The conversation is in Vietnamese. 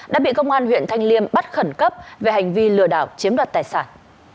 đã bị công an huyện thanh liêm bắt khẩn cấp về hành vi lừa đảo chiếm đoạt tài sản